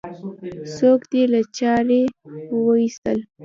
څوک دې له چارې وایستل؟